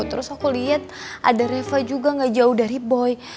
terus aku lihat ada reva juga gak jauh dari boy